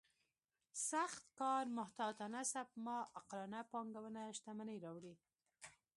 سخت کار محتاطانه سپما عاقلانه پانګونه شتمني راوړي.